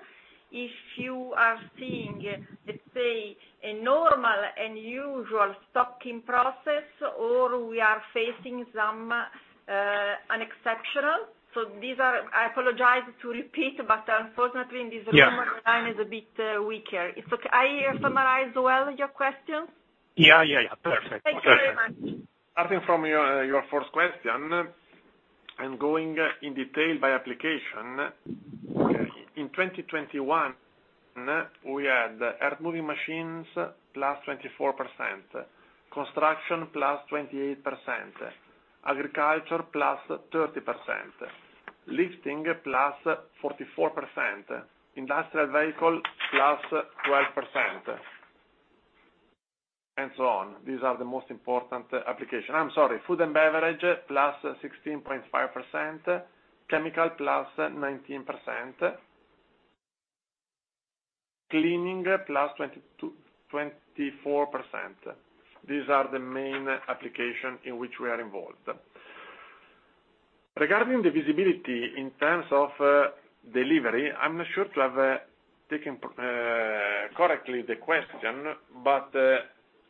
If you are seeing, let's say, a normal and usual stocking process or we are facing some exceptional. These are. I apologize to repeat, but unfortunately this the phone line is a bit weaker. It's okay. I summarize well your questions? Yeah. Perfect. Thank you very much. Starting from your first question, I'm going in detail by application. In 2021, we had earthmoving machines, +24%, construction, +28%, agriculture, +30%, lifting, +44%, industrial vehicle, +12%, and so on. These are the most important application. I'm sorry, food and beverage, +16.5%, chemical, +19%, cleaning, +24%. These are the main application in which we are involved. Regarding the visibility in terms of delivery, I'm not sure to have taken correctly the question, but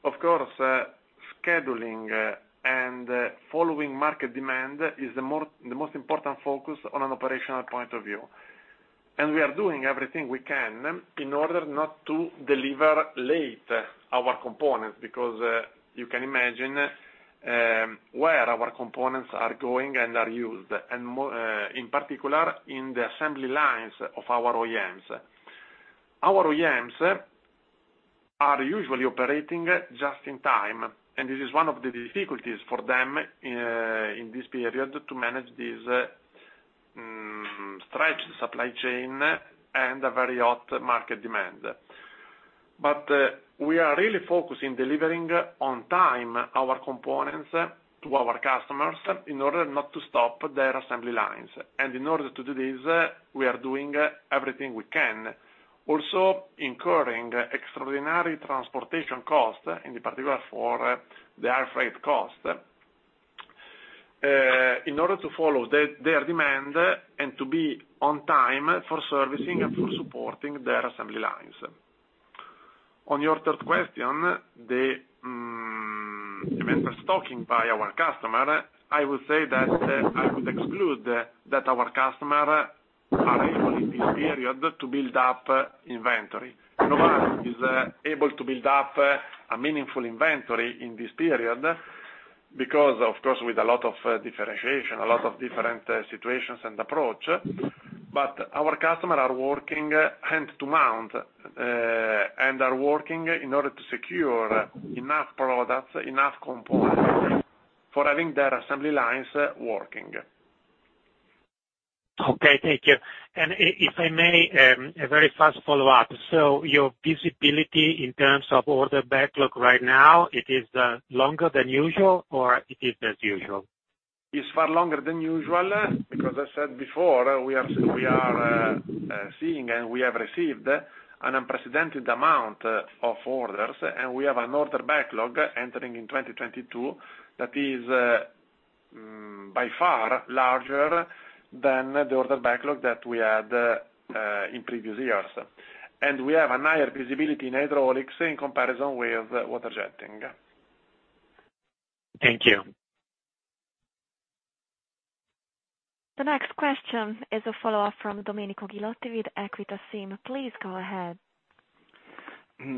of course, scheduling and following market demand is the most important focus on an operational point of view. We are doing everything we can in order not to deliver late our components, because you can imagine where our components are going and are used, and in particular, in the assembly lines of our OEMs. Our OEMs are usually operating just in time, and this is one of the difficulties for them in this period to manage this stretched supply chain and a very hot market demand. We are really focused in delivering on time our components to our customers in order not to stop their assembly lines. In order to do this, we are doing everything we can, also incurring extraordinary transportation costs, in particular for the air freight cost, in order to follow their demand and to be on time for servicing and for supporting their assembly lines. On your third question, inventory stocking by our customer, I would say that I would exclude that our customer are able, in this period, to build up inventory. Nobody is able to build up a meaningful inventory in this period because, of course, with a lot of differentiation, a lot of different situations and approach. Our customer are working hand to mouth, and are working in order to secure enough products, enough components for having their assembly lines working. Okay, thank you. If I may, a very fast follow-up. Your visibility in terms of order backlog right now, it is longer than usual or it is as usual? It's far longer than usual, because I said before, we are seeing and we have received an unprecedented amount of orders. We have an order backlog entering in 2022 that is by far larger than the order backlog that we had in previous years. We have a higher visibility in Hydraulics in comparison with Water-Jetting. Thank you. The next question is a follow-up from Domenico Ghilotti with Equita SIM. Please go ahead.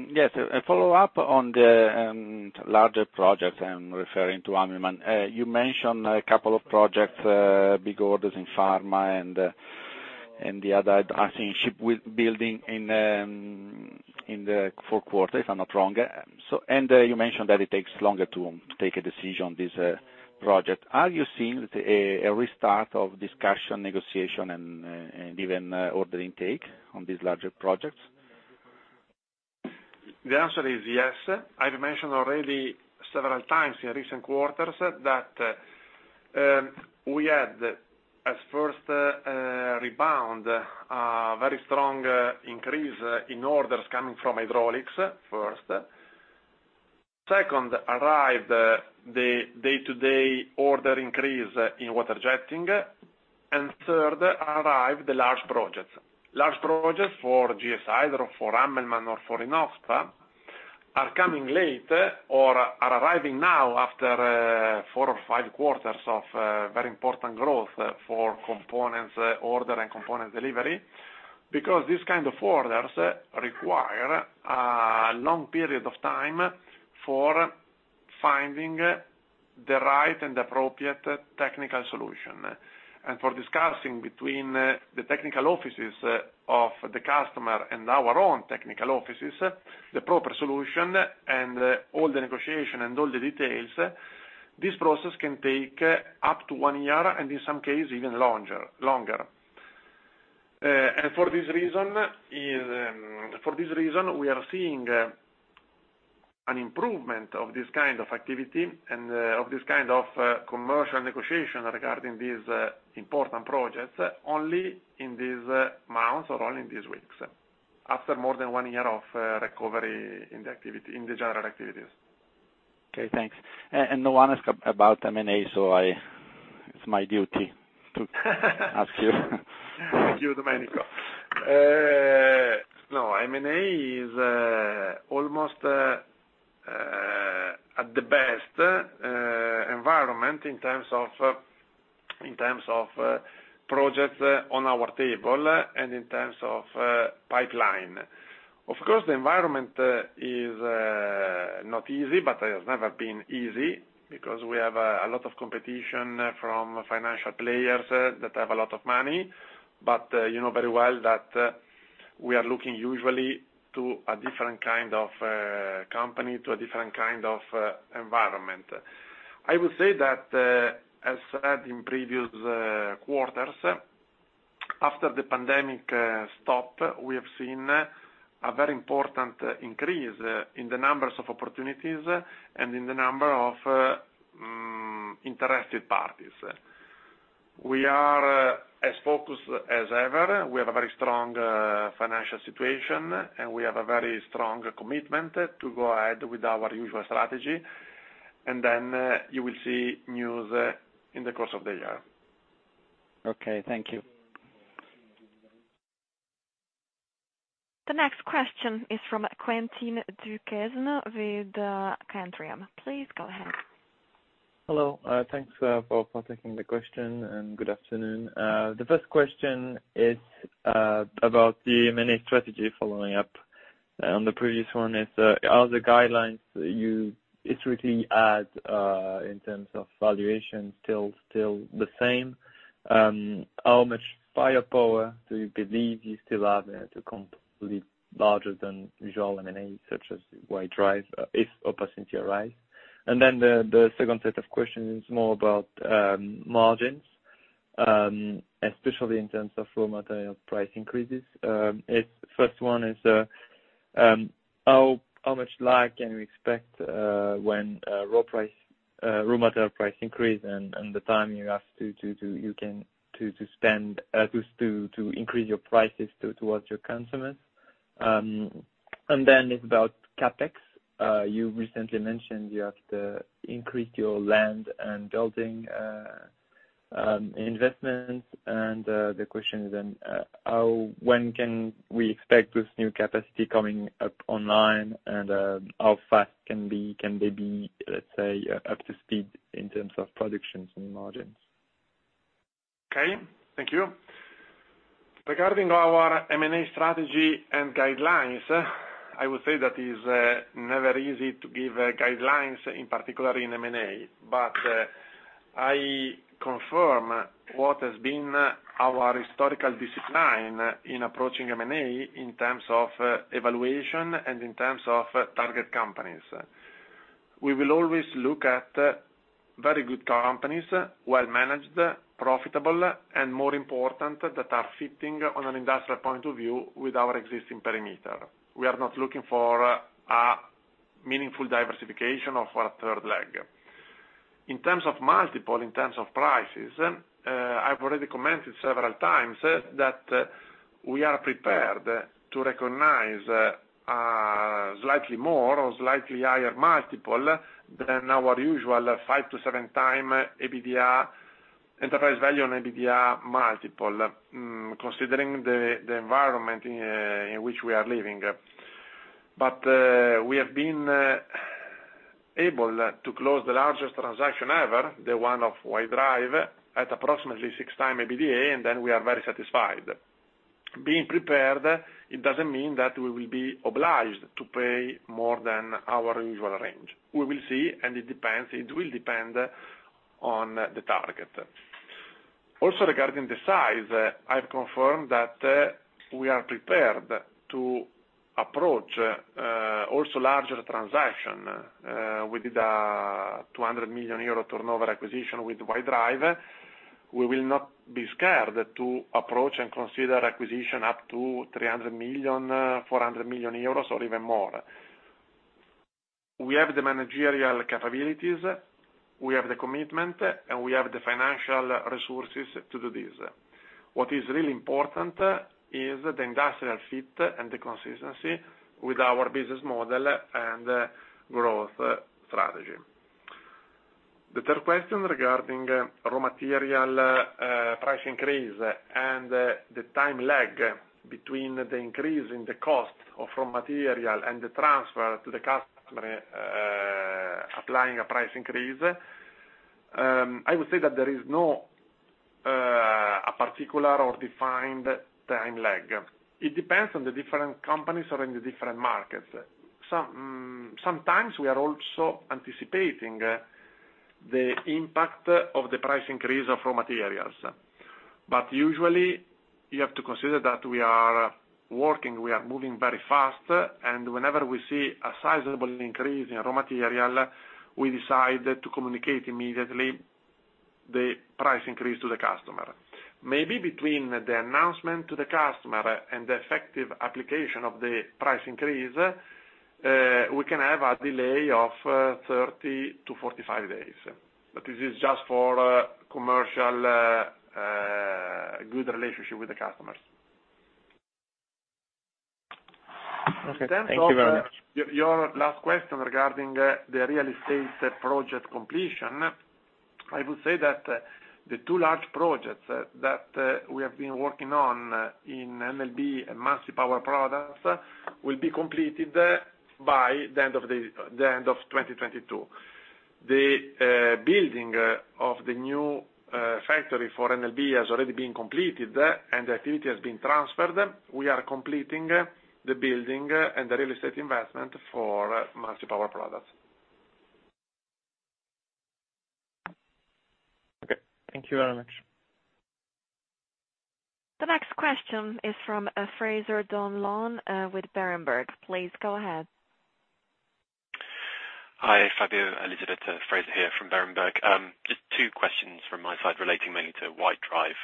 Yes, a follow-up on the larger projects. I'm referring to Ammann. You mentioned a couple of projects, big orders in pharma and the other, I think, shipbuilding in the fourth quarter, if I'm not wrong. You mentioned that it takes longer to take a decision on this project. Are you seeing a restart of discussion, negotiation and even order intake on these larger projects? The answer is yes. I've mentioned already several times in recent quarters that we had, as first rebound, a very strong increase in orders coming from Hydraulics, first. Second, arrived the day-to-day order increase in Water-Jetting. Third, arrived the large projects. Large projects for GSI, either for Ammann or for Inoxpa, are coming late or are arriving now after four or five quarters of very important growth for components order and component delivery. Because these kind of orders require a long period of time for finding the right and appropriate technical solution. For discussing between the technical offices of the customer and our own technical offices, the proper solution and all the negotiation and all the details, this process can take up to one year, and in some cases, even longer. For this reason, we are seeing an improvement of this kind of activity and of this kind of commercial negotiation regarding these important projects only in these months or only in these weeks, after more than one year of recovery in the activity, in the general activities. Okay, thanks. No one asked about M&A, so it's my duty to ask you. Thank you, Domenico. No, M&A is almost at the best environment in terms of projects on our table and in terms of pipeline. Of course, the environment is not easy, but it has never been easy because we have a lot of competition from financial players that have a lot of money. You know very well that we are looking usually to a different kind of company, to a different kind of environment. I would say that as said in previous quarters, after the pandemic stop, we have seen a very important increase in the numbers of opportunities and in the number of interested parties. We are as focused as ever. We have a very strong financial situation, and we have a very strong commitment to go ahead with our usual strategy. Then you will see news in the course of the year. Okay. Thank you. The next question is from Quentin Duquesne with Candriam. Please go ahead. Hello. Thanks for taking the question, and good afternoon. The first question is about the M&A strategy following up on the previous one. Are the guidelines you laid out in terms of valuation still the same? How much firepower do you believe you still have to complete larger than usual M&A, such as White Drive, if opportunity arise? The second set of questions is more about margins, especially in terms of raw material price increases. Its first one is how much lag can we expect when raw material price increase and the time you have to spend to increase your prices towards your consumers. It's about CapEx. You recently mentioned you have to increase your land and building investments. The question is then, when can we expect this new capacity coming up online, and how fast can they be, let's say, up to speed in terms of productions and margins? Okay, thank you. Regarding our M&A strategy and guidelines, I would say that is never easy to give guidelines, in particular in M&A. I confirm what has been our historical discipline in approaching M&A in terms of evaluation and in terms of target companies. We will always look at very good companies, well managed, profitable, and more important, that are fitting on an industrial point of view with our existing perimeter. We are not looking for a meaningful diversification of a third leg. In terms of multiple, in terms of prices, I've already commented several times that we are prepared to recognize slightly more or slightly higher multiple than our usual 5x-7x EBITDA, enterprise value on EBITDA multiple, considering the environment in which we are living. We have been able to close the largest transaction ever, the one of White Drive, at approximately 6x EBITDA, and then we are very satisfied. Being prepared, it doesn't mean that we will be obliged to pay more than our usual range. We will see, and it depends. It will depend on the target. Also, regarding the size, I've confirmed that we are prepared to approach also larger transaction with the 200 million euro turnover acquisition with White Drive. We will not be scared to approach and consider acquisition up to 300 million, 400 million euros or even more. We have the managerial capabilities, we have the commitment, and we have the financial resources to do this. What is really important is the industrial fit and the consistency with our business model and growth strategy. The third question regarding raw material price increase and the time lag between the increase in the cost of raw material and the transfer to the customer, applying a price increase, I would say that there is no a particular or defined time lag. It depends on the different companies or in the different markets. Sometimes we are also anticipating the impact of the price increase of raw materials. But usually you have to consider that we are working, we are moving very fast, and whenever we see a sizable increase in raw material, we decide to communicate immediately the price increase to the customer. Maybe between the announcement to the customer and the effective application of the price increase, we can have a delay of 30-45 days. But this is just for commercial good relationship with the customers. Okay. Thank you very much. Your last question regarding the real estate project completion, I would say that the two large projects that we have been working on in NLB and Muncie Power Products will be completed by the end of 2022. The building of the new factory for NLB has already been completed, and the activity has been transferred. We are completing the building and the real estate investment for Muncie Power Products. Okay, thank you very much. The next question is from Fraser Donlon with Berenberg. Please go ahead. Hi, Fabio, Elisabetta. Fraser here from Berenberg. Just two questions from my side relating mainly to White Drive.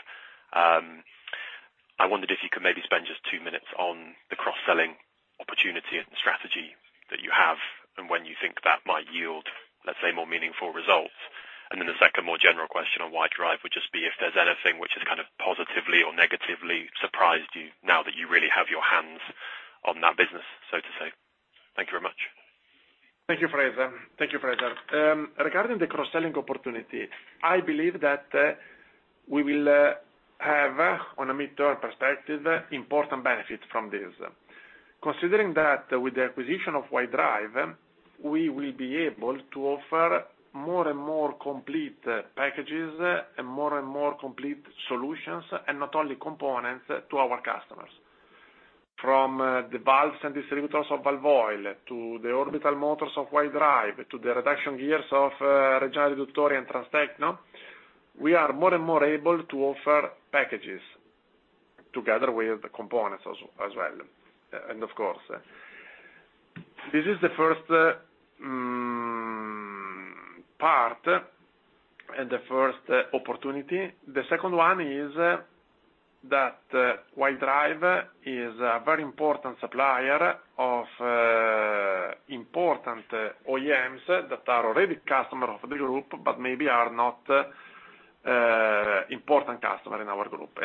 I wondered if you could maybe spend just two minutes on the cross-selling opportunity and strategy that you have and when you think that might yield, let's say, more meaningful results. The second, more general question on White Drive would just be if there's anything which has kind of positively or negatively surprised you now that you really have your hands on that business, so to say. Thank you very much. Thank you, Fraser. Regarding the cross-selling opportunity, I believe that we will have, on a mid-term perspective, important benefit from this. Considering that with the acquisition of White Drive, we will be able to offer more and more complete packages and more and more complete solutions and not only components to our customers. From the valves and distributors of Walvoil to the orbital motors of White Drive, to the reduction gears of Reggiana Riduttori and Transtecno, we are more and more able to offer packages together with the components as well, and of course. This is the first part and the first opportunity. The second one is that White Drive is a very important supplier of important OEMs that are already customers of the group, but maybe are not important customers in our group.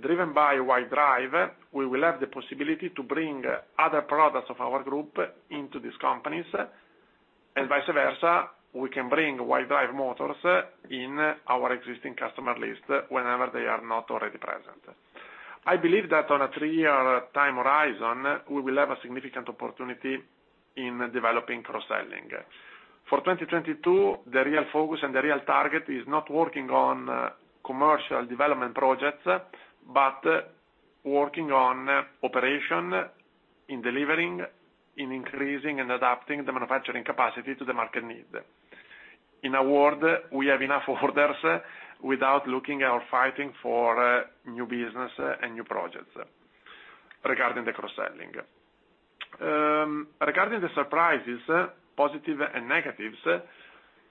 driven by White Drive, we will have the possibility to bring other products of our group into these companies, and vice versa, we can bring White Drive motors in our existing customer list whenever they are not already present. I believe that on a three-year time horizon, we will have a significant opportunity in developing cross-selling. For 2022, the real focus and the real target is not working on commercial development projects, but working on operation in delivering, in increasing and adapting the manufacturing capacity to the market need. In a word, we have enough orders without looking or fighting for new business and new projects regarding the cross-selling. Regarding the surprises, positive and negatives,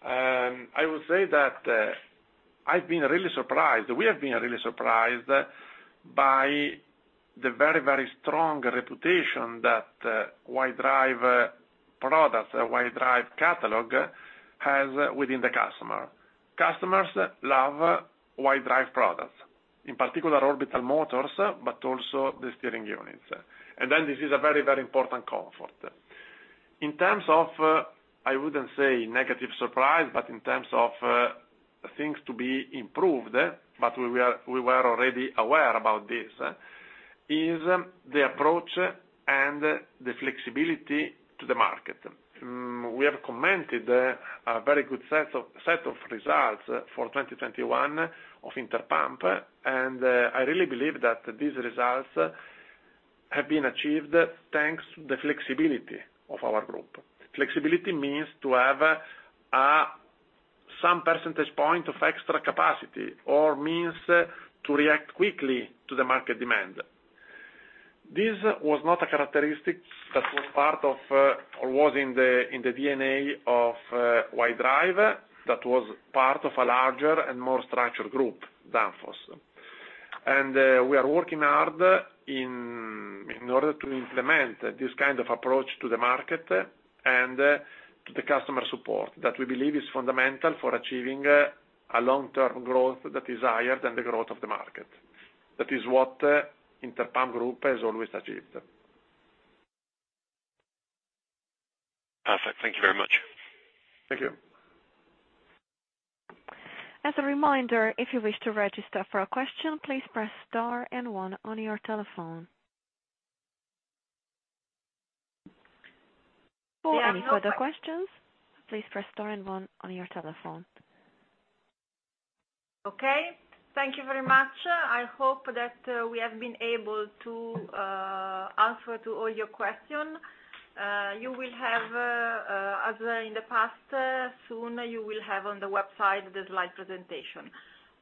I would say that I've been really surprised, we have been really surprised by the very, very strong reputation that White Drive products, White Drive catalog has within the customer. Customers love White Drive products. In particular, orbital motors, but also the steering units. This is a very, very important comfort. In terms of, I wouldn't say negative surprise, but in terms of things to be improved, we were already aware about this, is the approach and the flexibility to the market. We have commented a very good set of results for 2021 of Interpump, and I really believe that these results have been achieved thanks to the flexibility of our group. Flexibility means to have some percentage point of extra capacity or means to react quickly to the market demand. This was not a characteristic that was part of or was in the DNA of White Drive. That was part of a larger and more structured group, Danfoss. We are working hard in order to implement this kind of approach to the market and to the customer support that we believe is fundamental for achieving a long-term growth that is higher than the growth of the market. That is what Interpump Group has always achieved. Perfect. Thank you very much. Thank you. As a reminder, if you wish to register for a question, please press star and one on your telephone. For any further questions, please press star and one on your telephone. Okay. Thank you very much. I hope that we have been able to answer all your questions. As in the past, you will soon have the slide presentation on the website.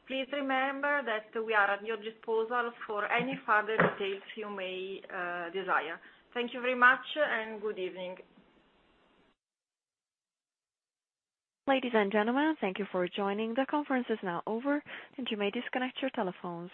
Please remember that we are at your disposal for any further details you may desire. Thank you very much and good evening. Ladies and gentlemen, thank you for joining. The conference is now over, and you may disconnect your telephones.